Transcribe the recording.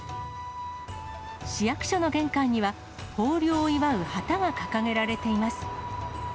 市役所の玄関には、豊漁を祝う旗が掲げられています。